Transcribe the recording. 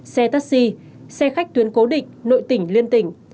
xe taxi xe khách tuyến cố định nội tỉnh liên tỉnh